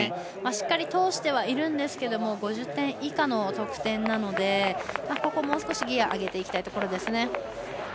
しっかり通してはいるんですけど５０点以下の得点なのでここ、もう少しギア上げていきたいところです。